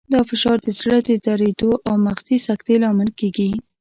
دا فشار د زړه د دریدو او مغزي سکتې لامل کېږي.